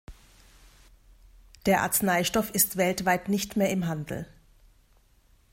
Der Arzneistoff ist weltweit nicht mehr im Handel.